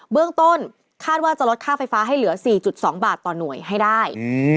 เบื้องต้นคาดว่าจะลดค่าไฟฟ้าให้เหลือ๔๒บาทต่อหน่วยให้ได้